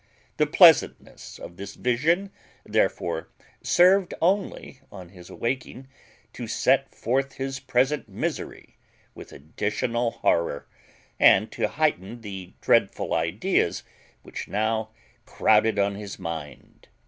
The pleasantness of this vision, therefore, served only, on his awaking, to set forth his present misery with additional horror, and to heighten the dreadful ideas which now crowded on his mind.